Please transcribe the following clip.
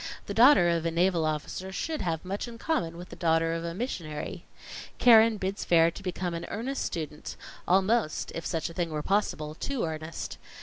The daughter of a naval officer should have much in common with the daughter of a missionary. Keren bids fair to become an earnest student almost, if such a thing were possible, too earnest.